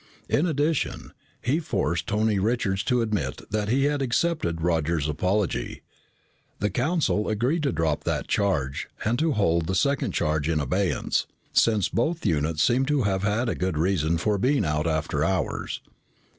In addition, he forced Tony Richards to admit that he had accepted Roger's apology. The Council agreed to drop that charge and to hold the second charge in abeyance, since both units seemed to have had good reason for being out after hours.